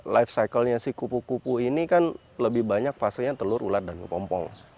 life cycle nya si kupu kupu ini kan lebih banyak fasenya telur ular dan kepompong